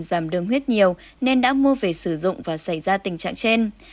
giảm đường huyết nhiều nên đã mua về sử dụng và xảy ra tình trạng trên